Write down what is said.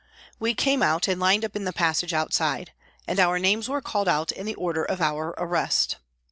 We came out and lined up in the passage outside, and our names were called out in the order of our arrest.